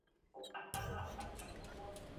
Helena Douglas is unlockable in all modes.